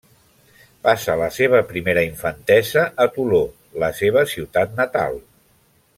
Passa la seva primera infantesa a Toló, la seva ciutat natal.